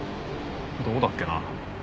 どこだっけな。